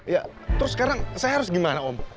ya terus sekarang saya harus gimana om bu